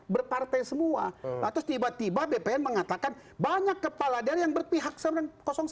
berpartai semua lantas tiba tiba bpn mengatakan banyak kepala daerah yang berpihak sama satu